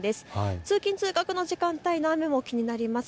通勤通学の時間帯にかけての雨の様子も気になります。